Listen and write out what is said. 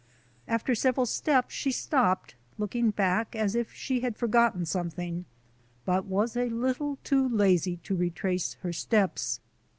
After several steps she stopped, looking back as if she had forgotten something but was a little too lazy to retrace her steps.